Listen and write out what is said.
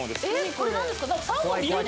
これ何ですか？